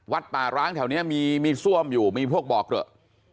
ป่าร้างแถวนี้มีซ่วมอยู่มีพวกบ่อเกลอะ